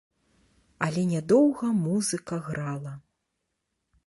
Але нядоўга музыка грала.